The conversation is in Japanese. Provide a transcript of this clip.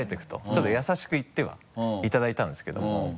ちょっと優しく言ってはいただいたんですけども。